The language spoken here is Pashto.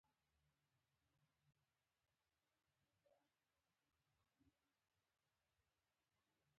افغانستان هم د پاکستان غوندې